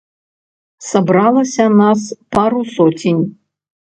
Сабралася нас пару соцень.